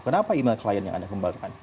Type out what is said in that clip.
kenapa email klien yang anda kembangkan